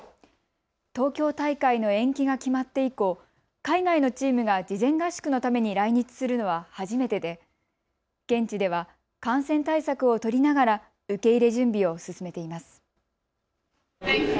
東京大会の延期が決まって以降、海外のチームが事前合宿のために来日するのは初めてで現地では感染対策を取りながら受け入れ準備を進めています。